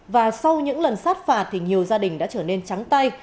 và sau những lần sát phạt thì nhiều gia đình đã trở nên trắng tay